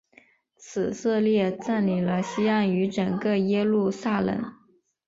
以色列占领了西岸与整个耶路撒冷。